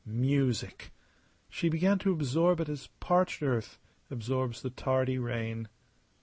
Music! She began to absorb it as parched earth absorbs the tardy rain.